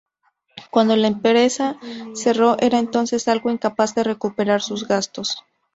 Cuando la empresa cerró, era entonces algo incapaz de recuperar sus gastos.